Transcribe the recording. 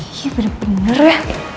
iya bener bener ya